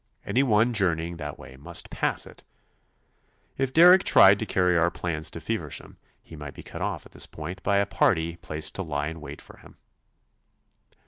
Any one journeying that way must pass it. If Derrick tried to carry our plans to Feversham he might be cut off at this point by a party placed to lie in wait for him.